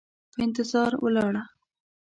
په انتظار ولاړه،